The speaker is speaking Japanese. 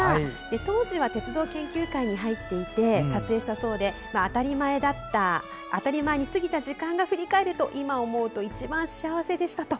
当時は鉄道研究会に入っていて撮影したそうで当たり前だった時間が振り返ると今思うと一番幸せでしたと。